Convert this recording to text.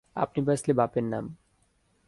আপনি বাঁচলে বাপের নাম।